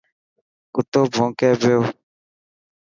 ڪتو ڀونڪي پيو.